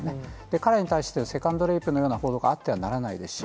彼らに対してセカンドレイプみたいな報道があってはならないですし、